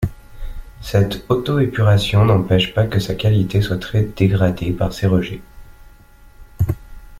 Cette auto-épuration n'empêche pas que sa qualité soit très dégradée par ces rejets.